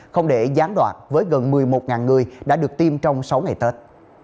không để gián đoạn với gần một mươi một người đã được tiêm trong sáu ngày tết